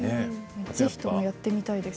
ぜひとも、やってみたいです。